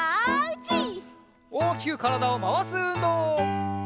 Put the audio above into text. おおきくからだをまわすうんどう！